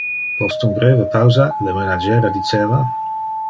Post un breve pausa le menagera diceva: